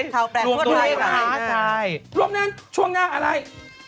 รู้แล้วของตัวเลขที่ขาชายรวมนั่นช่วงหน้าอะไร